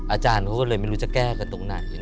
อาจารย์เขาก็เลยไม่รู้จะแก้กันตรงไหน